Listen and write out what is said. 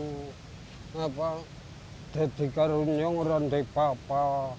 ngenu apa dedikarun yang rendek papa